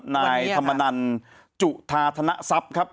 วันนี้ค่ะนายธรรมนันจุธาธนศัพท์ครับ